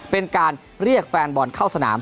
เป็นการเรียกแฟนบอลเข้าสนาม